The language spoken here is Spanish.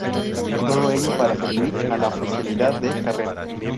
Todo ello para suplir a la oficialidad de carrera.